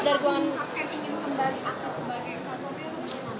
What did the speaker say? hanya ingin kembali aktif sebagai anggota bimob